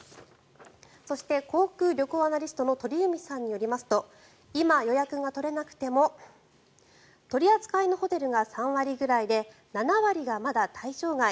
そして、航空・旅行アナリストの鳥海さんによりますと今、予約が取れなくても取り扱いのホテルが３割ぐらいで７割がまだ対象外。